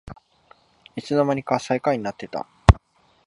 いつのまにか最下位になってた